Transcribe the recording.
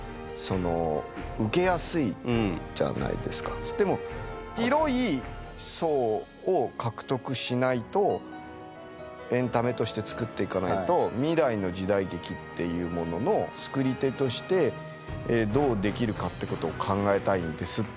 これはねでも広い層を獲得しないとエンタメとして作っていかないと未来の時代劇っていうものの作り手としてどうできるかってことを考えたいんです。